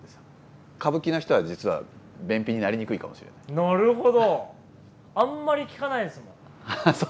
なるほど！